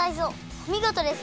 おみごとです！